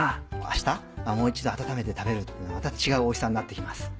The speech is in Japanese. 明日はもう一度温めて食べるとまた違うおいしさになって来ます。